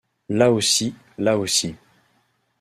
Là aussi, là aussi.